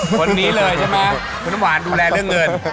คนนี้เลยใช่ไหมคุณน้ำหวานดูแลเรื่องเงิน